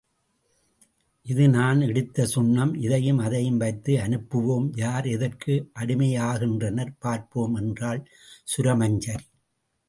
இது நான் இடித்த சுண்ணம் இதையும் அதையும் வைத்து அனுப்புவோம் யார் எதற்கு அடிமையாகின்றனர் பார்ப்போம் என்றாள் சுரமஞ்சரி.